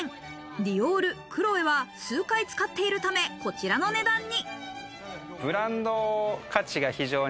ディオール、クロエは数回使っているため、こちらの値段に。